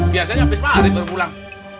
biasanya abis hari baru pulang